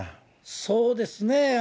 そうですね。